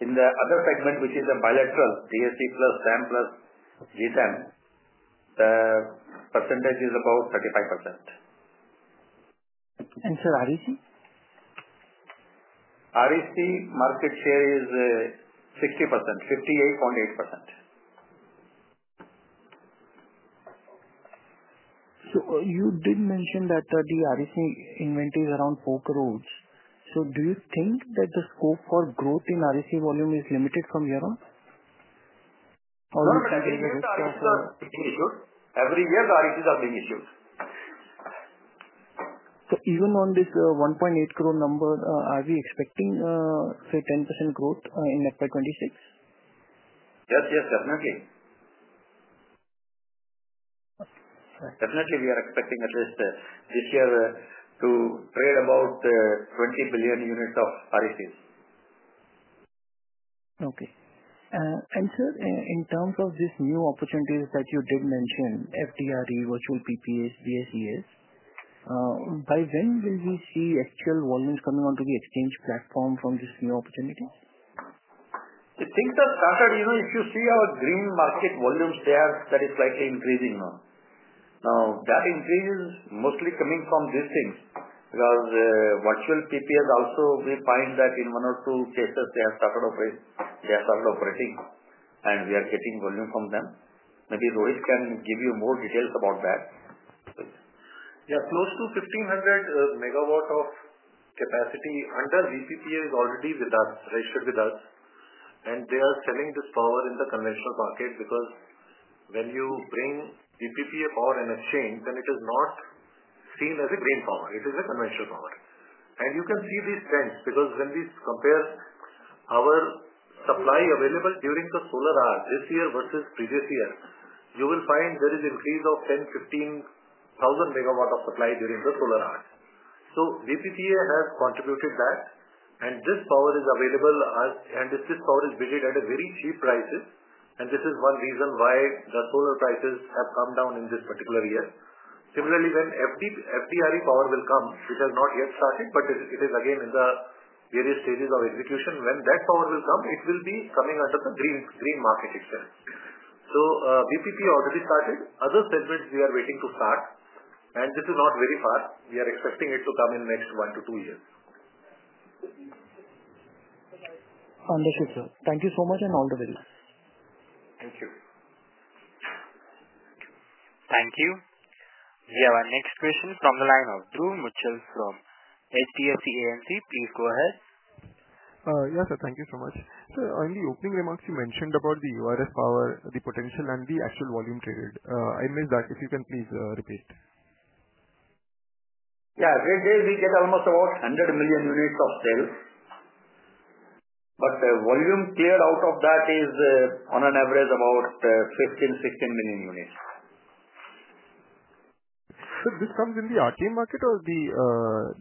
In the other segment, which is the bilateral, DAC plus TAM plus GTAM, the percentage is about 35%. Sir, REC? REC market share is 60%, 58.8%. You did mention that the REC inventory is around 4 crores. Do you think that the scope for growth in REC volume is limited from here on? No, no, no. Every year is being issued. Every year, the RECs are being issued. Even on this 1.8 crore number, are we expecting, say, 10% growth in FY 2026? Yes, yes, definitely. Definitely, we are expecting at least this year to trade about 20 billion units of RECs. Okay. In terms of these new opportunities that you did mention, FDRE, virtual PPAs, BESS, by when will we see actual volumes coming onto the exchange platform from these new opportunities? Things have started. If you see our green market volumes, they are slightly increasing now. That increase is mostly coming from these things because virtual PPAs also, we find that in one or two cases, they have started operating. We are getting volume from them. Maybe Rohit can give you more details about that. Yeah, close to 1,500 MW of capacity under VPPA is already registered with us. They are selling this power in the conventional market because when you bring VPPA power in exchange, then it is not seen as a green power. It is a conventional power. You can see these trends because when we compare our supply available during the solar hours this year versus previous year, you will find there is an increase of 10, 15,000 MW of supply during the solar hours. VPPA has contributed that. This power is available, and this power is bidded at very cheap prices. This is one reason why the solar prices have come down in this particular year. Similarly, when FDRE power will come, which has not yet started, but it is again in the various stages of execution, when that power will come, it will be coming under the green market exchange. VPPA already started. Other segments, we are waiting to start. This is not very far. We are expecting it to come in the next one to two years. Understood, sir. Thank you so much and all the very best. Thank you. Thank you. We have our next question from the line of Dhruv Muchhal from HDFC AMC. Please go ahead. Yes, sir. Thank you so much. Sir, in the opening remarks, you mentioned about the URS power, the potential, and the actual volume traded. I missed that. If you can please repeat. Yeah. Every day, we get almost about 100 million units of sale. The volume cleared out of that is, on an average, about 15 million, 16,000 million units. This comes in the RTM market or the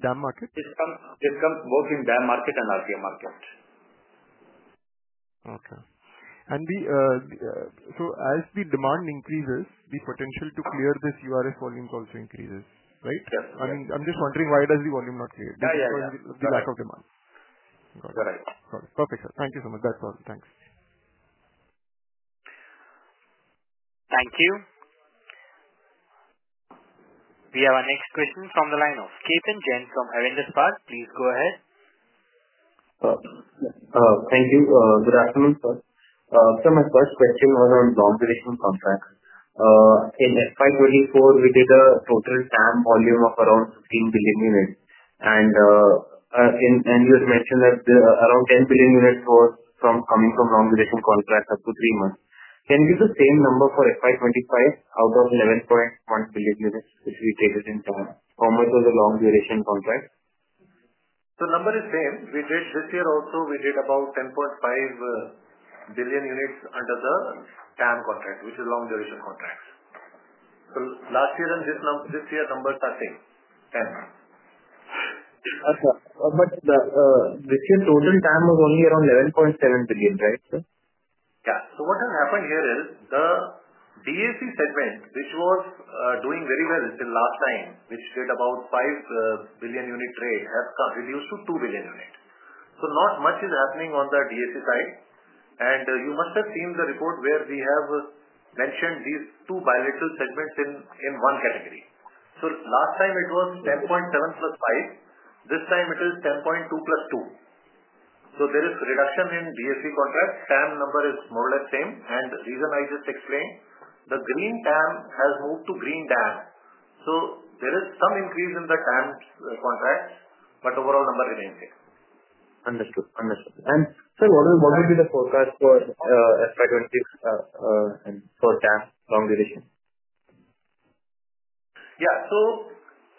DAM market? This comes both in DAM market and RTM market. Okay. As the demand increases, the potential to clear this URS volumes also increases, right? Yes. I mean, I'm just wondering why does the volume not clear? Yeah, yeah, yeah. Correct. Just because of the lack of demand. You're right. Got it. Perfect, sir. Thank you so much. That's all. Thanks. Thank you. We have our next question from the line of Ketan Jain from Avendus Spark. Please go ahead. Thank you. Good afternoon, sir. Sir, my first question was on long-duration contracts. In FY 2024, we did a total TAM volume of around 15 billion units. You had mentioned that around 10 billion units were coming from long-duration contracts up to three months. Can you give the same number for FY 2025 out of 11.1 billion units which we traded in TAM? How much was the long-duration contract? The number is same. This year also, we did about 10.5 billion units under the TAM contract, which is long-duration contracts. Last year and this year, numbers are same, TAM. Okay. This year, total TAM was only around 11.7 billion, right, sir? Yeah. What has happened here is the DAC segment, which was doing very well till last time, which did about 5 billion unit trade, has reduced to 2 billion units. Not much is happening on the DAC side. You must have seen the report where we have mentioned these two bilateral segments in one category. Last time, it was 10.7 plus 5. This time, it is 10.2 plus 2. There is reduction in DAC contracts. TAM number is more or less same. The reason I just explained, the green TAM has moved to green DAM. There is some increase in the TAM contracts, but overall number remains the same. Understood. Understood. Sir, what would be the forecast for FY 2026 TAM long-duration? Yeah.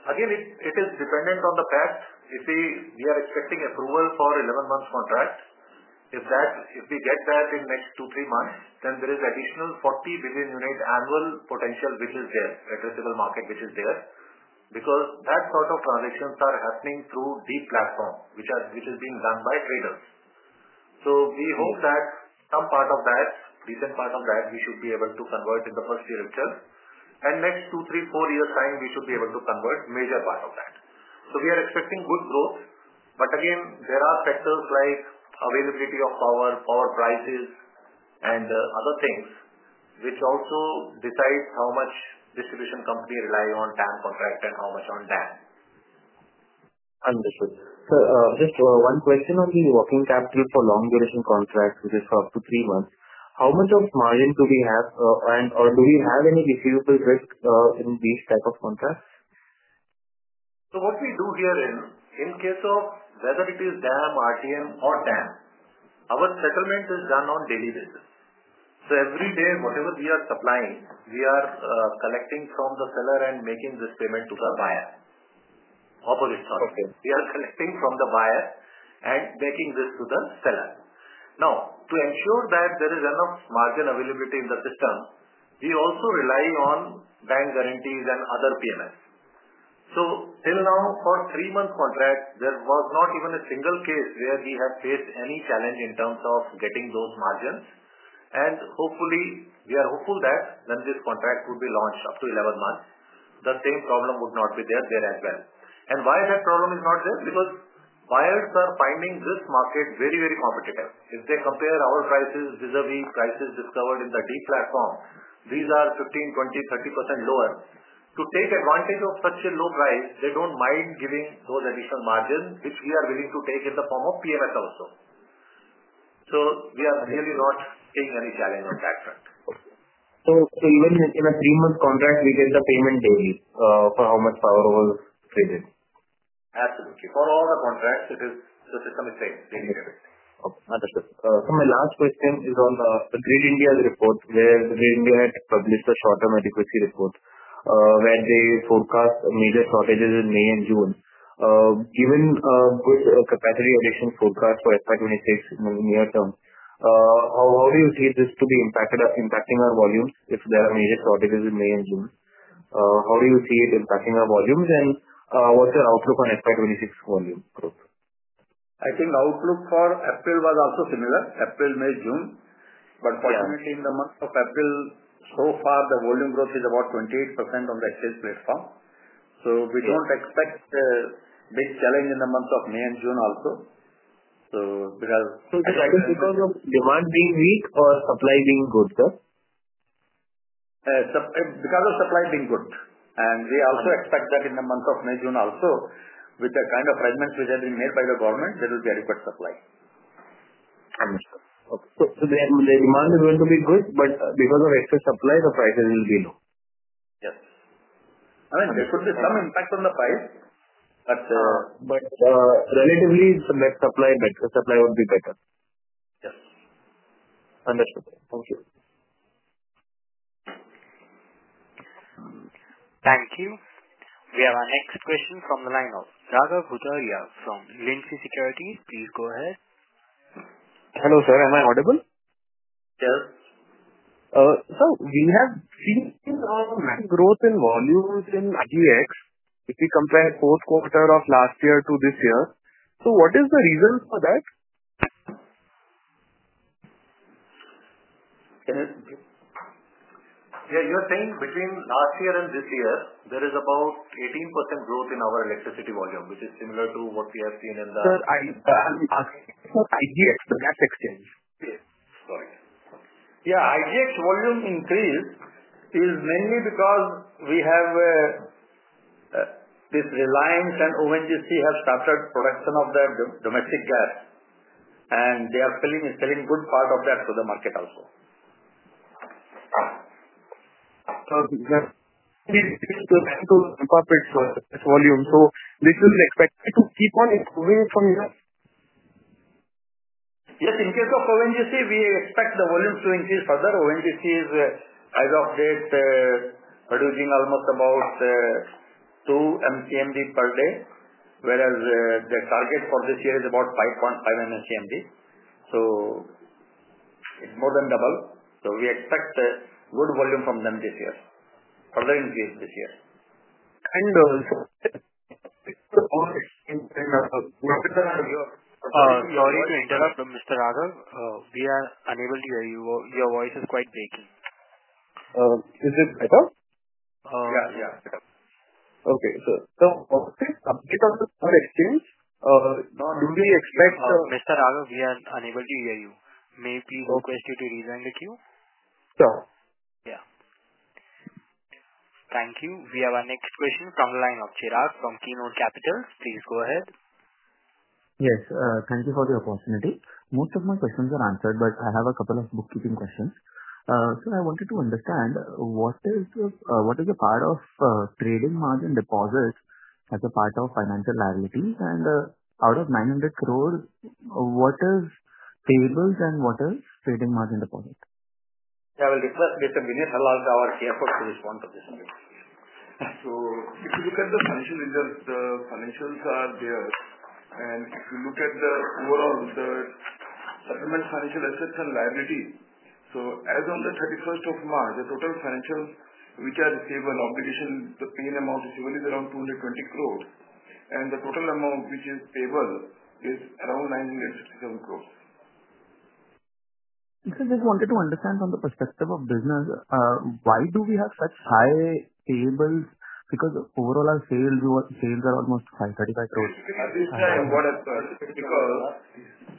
Again, it is dependent on the fact. You see, we are expecting approval for 11-month contracts. If we get that in the next two, three months, then there is additional 40 billion unit annual potential, which is there, addressable market, which is there. That sort of transactions are happening through DEEP platform, which is being done by traders. We hope that some part of that, recent part of that, we should be able to convert in the first year itself. Next two, three, four years' time, we should be able to convert a major part of that. We are expecting good growth. There are factors like availability of power, power prices, and other things, which also decide how much distribution company relies on TAM contract and how much on DAM. Understood. Sir, just one question on the working capital for long-duration contracts, which is for up to three months. How much of margin do we have? Do we have any receivable risk in these types of contracts? What we do here in case of whether it is DAM, RTM, or TAM, our settlement is done on a daily basis. Every day, whatever we are supplying, we are collecting from the seller and making this payment to the buyer. Opposite story. We are collecting from the buyer and making this to the seller. Now, to ensure that there is enough margin availability in the system, we also rely on bank guarantees and other PMS. Till now, for three-month contracts, there was not even a single case where we have faced any challenge in terms of getting those margins. We are hopeful that when this contract would be launched up to 11 months, the same problem would not be there as well. Why that problem is not there? Buyers are finding this market very, very competitive. If they compare our prices vis-à-vis prices discovered in the DEEP platform, these are 15%, 20%, 30% lower. To take advantage of such a low price, they do not mind giving those additional margins, which we are willing to take in the form of PMS also. We are really not seeing any challenge on that front. Even in a three-month contract, we get the payment daily for how much power was traded. Absolutely. For all the contracts, the system is the same, daily payment. Understood. Sir, my last question is on the GRID-INDIA's report, where GRID-INDIA had published a short-term adequacy report where they forecast major shortages in May and June. Given good capacity addition forecast for FY 2026 in the near term, how do you see this to be impacting our volumes if there are major shortages in May and June? How do you see it impacting our volumes? What's your outlook on FY 2026 volume growth? I think the outlook for April was also similar, April, May, June. Fortunately, in the month of April, so far, the volume growth is about 28% on the exchange platform. We do not expect a big challenge in the month of May and June also. Becauseof demand being weak or supply being good, sir? Because of supply being good. We also expect that in the month of May, June also, with the kind of arrangements which have been made by the government, there will be adequate supply. Understood. Okay. The demand is going to be good, but because of excess supply, the prices will be low? Yes. I mean, there could be some impact on the price, but relatively. Better supply, better supply would be better. Yes. Understood. Thank you. Thank you. We have our next question from the line of Raghav Bhutoria from Lindsay Securities. Please go ahead. Hello, sir. Am I audible? Yes. Sir, we have seen some growth in volumes in IGX if we compare fourth quarter of last year to this year. What is the reason for that? Yeah. You're saying between last year and this year, there is about 18% growth in our electricity volume, which is similar to what we have seen in the IGX exchange. Yeah. IGX volume increase is mainly because we have this Reliance and ONGC have started production of their domestic gas. And they are selling a good part of that to the market also. This is the central impact with this volume. This is expected to keep on improving from here? Yes. In case of ONGC, we expect the volumes to increase further. ONGC is, as of date, producing almost about 2 MMSCMD per day, whereas the target for this year is about 5.5 MMSCMD. It is more than double. We expect good volume from them this year, further increase this year. Sir, if I may interrupt Mr. Raghav, we are unable to hear you. Your voice is quite breaking. Is it better? Yeah. Yeah. Okay. Update on the exchange? Do we expect? Mr. Raghav, we are unable to hear you. May we request you to rejoin the queue? Sure. Yeah. Thank you. We have our next question from the line of Chirag from Keynote Capital. Please go ahead. Yes. Thank you for the opportunity. Most of my questions are answered, but I have a couple of bookkeeping questions. Sir, I wanted to understand what is the part of trading margin deposit as a part of financial liabilities? And out of 900 crores, what is payables and what is trading margin deposit? Yeah. I will request Mr. Vineet Harlalka, our CFO to respond to this question. If you look at the financial results, the financials are there. If you look at the overall, the supplemental financial assets and liabilities, as of the 31st of March, the total financials which are receivable obligation, the payment amount receivable is around 220 crores. The total amount which is payable is around 967 crores. Sir, just wanted to understand from the perspective of business, why do we have such high payables? Because overall, our sales are almost 535 crore. This time what happened?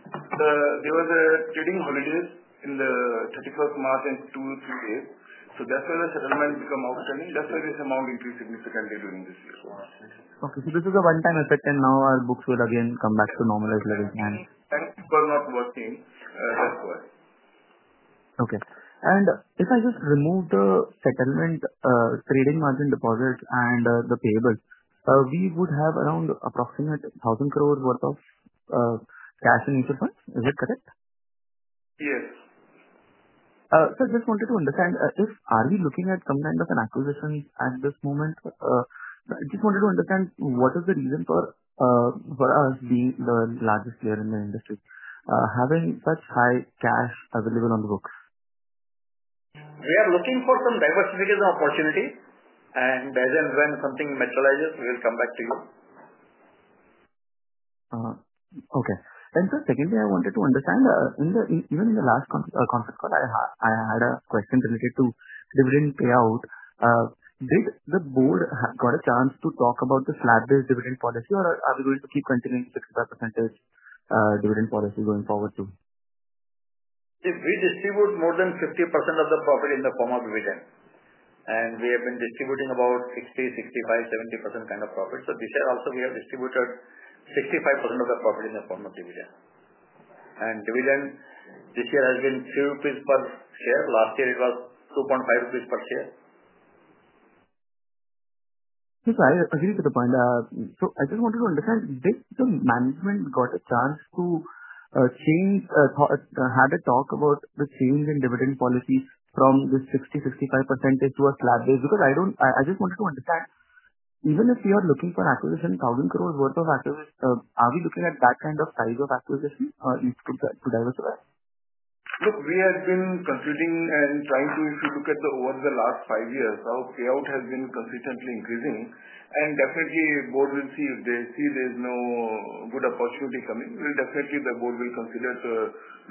There was a trading holiday in the 31st of March and two or three days. That is why the settlement became outstanding. That is why this amount increased significantly during this year. Okay. This is a one-time effect, and now our books will again come back to normalize levels. Banks were not working. That is why. Okay. If I just remove the settlement, trading margin deposits, and the payables, we would have around approximately 1,000 crores worth of cash and mutual funds. Is it correct? Yes. Sir, just wanted to understand, are we looking at some kind of an acquisition at this moment? Just wanted to understand what is the reason for us being the largest player in the industry, having such high cash available on the books? We are looking for some diversification opportunity. As and when something materializes, we will come back to you. Okay. Sir, secondly, I wanted to understand, even in the last conference call, I had a question related to dividend payout. Did the Board get a chance to talk about the slab-based dividend policy, or are we going to keep continuing 65 percentage dividend policy going forward too? We distribute more than 50% of the profit in the form of dividend. We have been distributing about 60%, 65%, 70% kind of profit. This year also, we have distributed 65% of the profit in the form of dividend. Dividend this year has been 3 rupees per share. Last year, it was 2.5 rupees per share. Sir, I agree with the point. I just wanted to understand, did the management get a chance to have a talk about the change in dividend policy from this 60%-65% to a slab base? I just wanted to understand, even if we are looking for acquisition, 1,000 crores worth of acquisition, are we looking at that kind of size of acquisition to diversify? Look, we have been contributing and trying to, if you look at over the last five years, how payout has been consistently increasing. Definitely, the board will see if they see there is no good opportunity coming, definitely the Board will consider to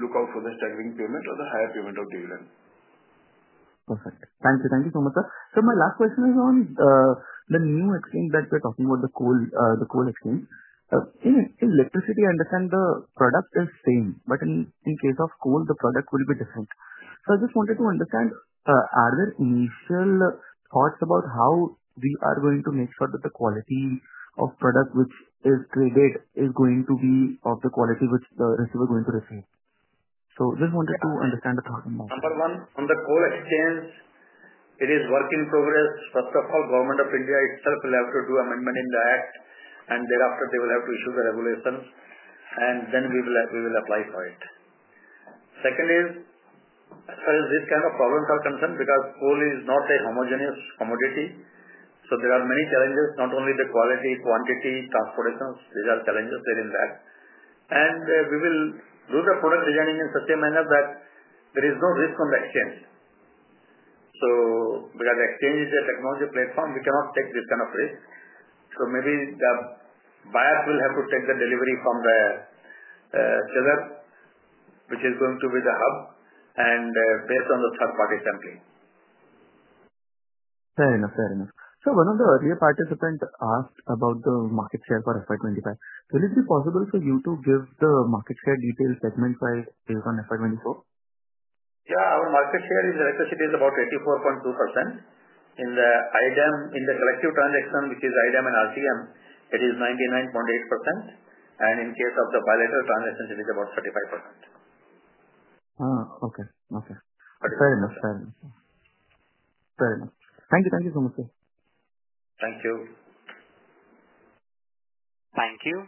look out for the staggering payment or the higher payment of dividend. Perfect. Thank you. Thank you so much, sir. Sir, my last question is on the new exchange that we're talking about, the coal exchange. In electricity, I understand the product is same. In case of coal, the product will be different. I just wanted to understand, are there initial thoughts about how we are going to make sure that the quality of product which is traded is going to be of the quality which the receiver is going to receive? I just wanted to understand the thoughts on that. Number one, on the coal exchange, it is a work in progress. First of all, the Government of India itself will have to do amendment in the act. Thereafter, they will have to issue the regulations. Then we will apply for it. Second is, as far as this kind of problems are concerned, because coal is not a homogeneous commodity, there are many challenges, not only the quality, quantity, transportations. These are challenges there in that. We will do the product designing in such a manner that there is no risk on the exchange. Because the exchange is a technology platform, we cannot take this kind of risk. Maybe the buyers will have to take the delivery from the seller, which is going to be the hub, and based on the third-party sampling. Fair enough. Fair enough. Sir, one of the earlier participants asked about the market share for FY 2025. Will it be possible for you to give the market share details segment-wise based on FY 2024? Yeah. Our market share in electricity is about 84.2%. In the collective transaction, which is I-DAM and RTM, it is 99.8%. And in case of the bilateral transactions, it is about 35%. Okay. Okay. Fair enough. Fair enough. Fair enough. Thank you. Thank you so much, sir. Thank you. Thank you.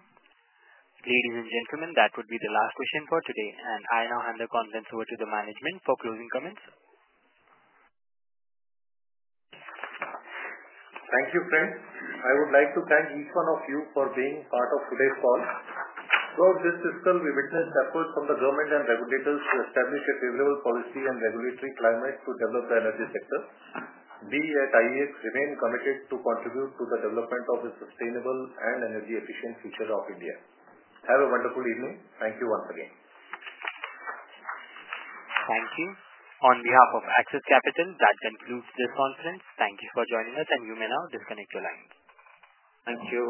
Ladies and gentlemen, that would be the last question for today. I now hand the conference over to the management for closing comments. Thank you, friends. I would like to thank each one of you for being part of today's call. Throughout this fiscal, we witnessed efforts from the government and regulators to establish a favorable policy and regulatory climate to develop the energy sector. We at IEX remain committed to contribute to the development of a sustainable and energy-efficient future of India. Have a wonderful evening. Thank you once again. Thank you. On behalf of Axis Capital, that concludes this conference. Thank you for joining us, and you may now disconnect your lines. Thank you.